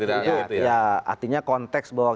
artinya konteks bahwa